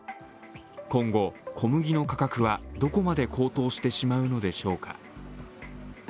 今後、小麦の価格はどこまで高騰してしまうのでしょうか。